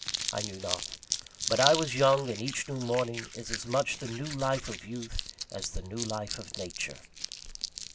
I knew not. But I was young; and each new morning is as much the new life of youth, as the new life of Nature.